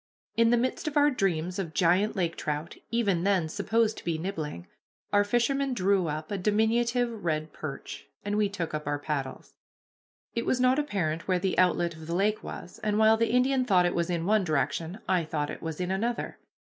In the midst of our dreams of giant lake trout, even then supposed to be nibbling, our fisherman drew up a diminutive red perch, and we took up our paddles. It was not apparent where the outlet of the lake was, and while the Indian thought it was in one direction, I thought it was in another.